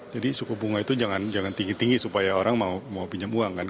jadi suku bunga itu jangan tinggi tinggi supaya orang mau pinjam uang kan